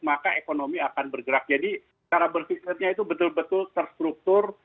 maka ekonomi akan bergerak jadi cara berpikirnya itu betul betul terstruktur